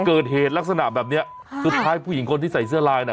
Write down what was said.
เกิดเหตุลักษณะแบบเนี้ยค่ะสุดท้ายผู้หญิงคนที่ใส่เสื้อลายน่ะ